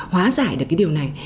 hóa giải được cái điều này